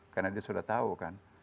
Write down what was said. karena dia sudah tahu kan